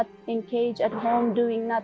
tidak berada di dalam kudang di rumah